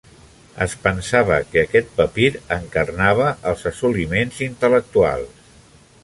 Es pensava que aquest papir encarnava els assoliments intel·lectuals.